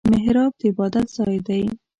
محراب د عبادت ځای دی